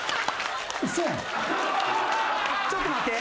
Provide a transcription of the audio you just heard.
ちょっと待って。